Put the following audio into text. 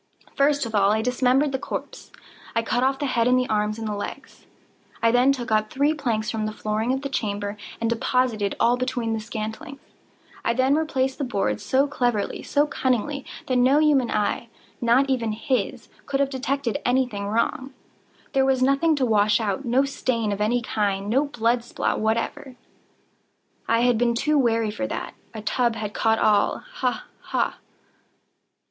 First of all I dismembered the corpse. I cut off the head and the arms and the legs. I then took up three planks from the flooring of the chamber, and deposited all between the scantlings. I then replaced the boards so cleverly, so cunningly, that no human eye—not even his—could have detected any thing wrong. There was nothing to wash out—no stain of any kind—no blood spot whatever. I had been too wary for that. A tub had caught all—ha! ha!